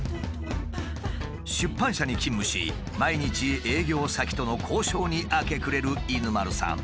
出版社に勤務し毎日営業先との交渉に明け暮れる犬丸さん。